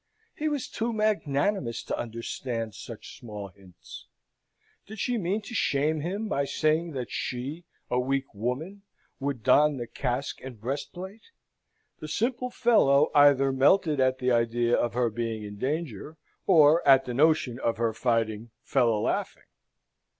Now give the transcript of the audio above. He was too magnanimous to understand such small hints. Did she mean to shame him by saying that she, a weak woman, would don the casque and breastplate? The simple fellow either melted at the idea of her being in danger, or at the notion of her fighting fell a laughing.